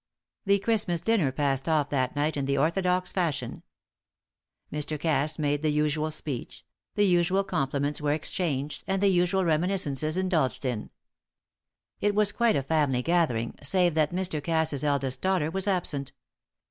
The Christmas dinner passed off that night in the orthodox fashion. Mr. Cass made the usual speech; the usual compliments were exchanged, and the usual reminiscences indulged in. It was quite a family gathering, save that Mr. Cass's eldest daughter was absent.